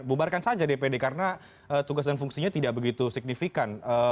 bubarkan saja dpd karena tugas dan fungsinya tidak begitu signifikan